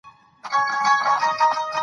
خو نظامیانو د قدرت منلو